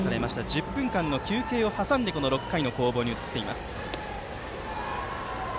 １０分間の休憩を挟んで６回の攻防に移っています。